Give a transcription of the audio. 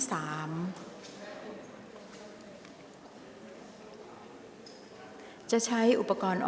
ออกรางวัลเลขหน้า๓ตัวครั้งที่๒